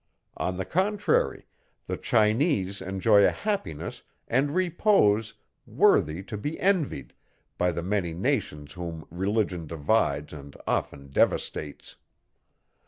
On the contrary, the Chinese enjoy a happiness and repose worthy to be envied, by the many nations whom religion divides, and often devastates.